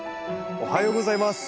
おはようございます。